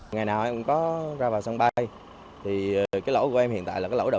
ngày nào em có ra vào sân bay thì cái lỗ của em hiện tại là cái lỗ đậu